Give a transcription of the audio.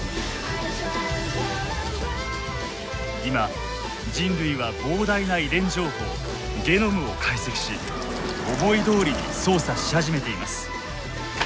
今人類は膨大な遺伝情報ゲノムを解析し思いどおりに操作し始めています。